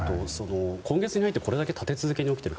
今月に入って立て続けに起きている。